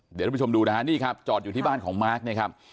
เดี๋ยวทุกผู้ชมดูนะฮะนี่ครับจอดอยู่ที่บ้านของมาร์คเนี่ยครับ